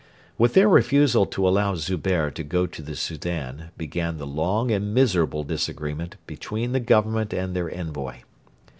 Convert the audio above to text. With their refusal to allow Zubehr to go to the Soudan began the long and miserable disagreement between the Government and their envoy.